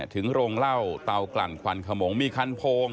ถึงโรงเล่าเตากลั่นควันขมงมีคันโพง